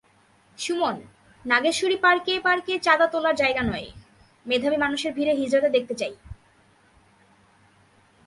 সুমন, নাগেশ্বরীপার্কে পার্কে চাঁদা তোলার জায়গায় নয়, মেধাবী মানুষের ভিড়ে হিজড়াদের দেখতে চাই।